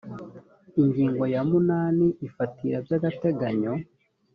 ingingo ya munani ifatira ry’agateganyo